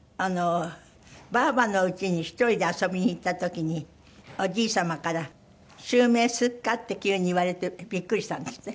ばあばのうちに１人で遊びに行った時におじい様から「襲名するか？」って急に言われてビックリしたんですって？